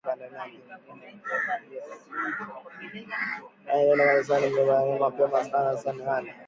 Jana nilenda kanisani Niliamka mapema sana Unaitwa nani?